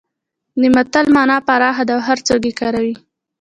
د متل مانا پراخه ده او هرڅوک یې کاروي